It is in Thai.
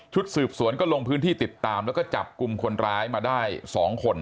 สืบสวนก็ลงพื้นที่ติดตามแล้วก็จับกลุ่มคนร้ายมาได้๒คน